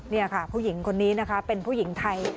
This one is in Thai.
นี่ค่ะผู้หญิงคนนี้นะคะเป็นผู้หญิงไทย